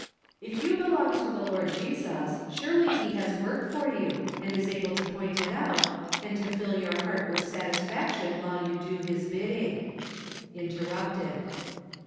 If you belong to the Lord Jesus, surely He has work for you, and is able to point it out, and to fill your heart with satisfaction while you do His bidding. . Interrupted.